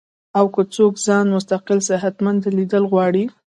او کۀ څوک ځان مستقل صحتمند ليدل غواړي